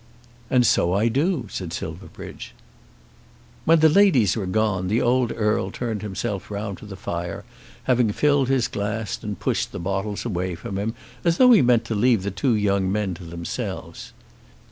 "And so I do," said Silverbridge. When the ladies were gone the old Earl turned himself round to the fire, having filled his glass and pushed the bottles away from him, as though he meant to leave the two young men to themselves.